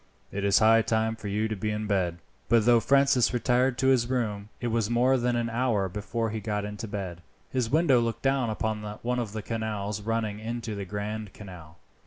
It is high time for you to be in bed." But though Francis retired to his room, it was more than an hour before he got into bed. His window looked down upon one of the canals running into the Grand Canal.